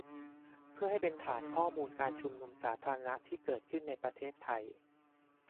เพื่อให้เป็นฐานข้อมูลการชุมนุมสาธารณะที่เกิดขึ้นในประเทศไทย